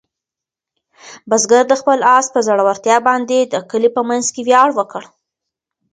بزګر د خپل آس په زړورتیا باندې د کلي په منځ کې ویاړ وکړ.